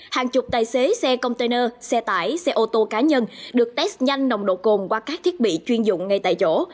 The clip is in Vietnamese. hàng chục tài xế xe container xe tải xe ô tô cá nhân được test nhanh nồng độ cồn qua các thiết bị chuyên dụng ngay tại chỗ